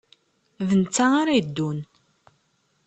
D netta ara yeddun.